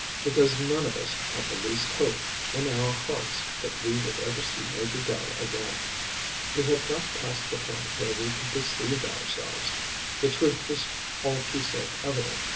Because none of us had the least hope, in our own hearts, that we would ever see Major Dell again. We had got past the point where we could deceive ourselves. The truth was all too self evident.